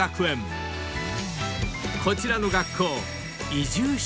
［こちらの学校］